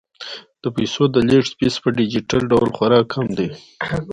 د پيسو د لیږد فیس په ډیجیټل ډول خورا کم دی.